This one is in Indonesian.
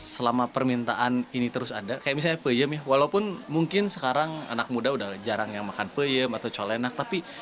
selama permintaan ini terus ada kayak misalnya peyem ya walaupun mungkin sekarang anak muda udah jarang yang makan peyem atau colenak tapi